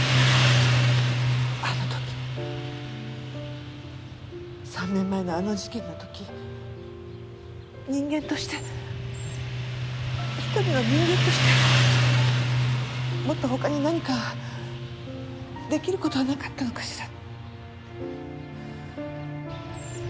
あの時３年前のあの事件の時人間として一人の人間としてもっと他に何か出来る事はなかったのかしら。